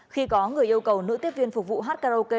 khi có người yêu cầu nữ tiếp viên phục vụ hát karaoke